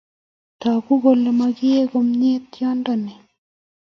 Tagu kole makiyei komyei tyondo nin